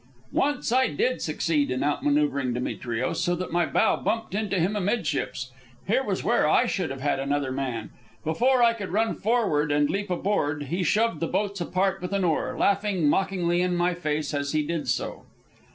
Once I did succeed in outmanoeuvring Demetrios, so that my bow bumped into him amidships. Here was where I should have had another man. Before I could run forward and leap aboard, he shoved the boats apart with an oar, laughing mockingly in my face as he did so.